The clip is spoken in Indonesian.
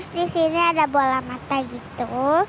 disini ada bola mata gitu